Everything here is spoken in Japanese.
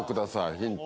ヒント。